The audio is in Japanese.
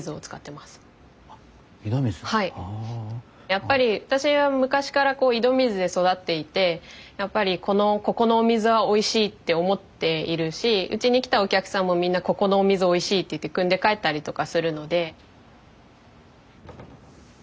やっぱり私は昔から井戸水で育っていてやっぱりここのお水はおいしいって思っているしうちに来たお客さんもみんなここのお水おいしいって言って汲んで帰ったりとかするので。